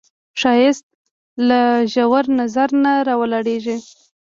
ښایست له ژور نظر نه راولاړیږي